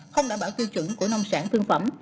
không đảm bảo tiêu chuẩn của nông sản thương phẩm